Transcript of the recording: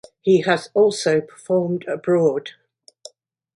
He has also performed abroad.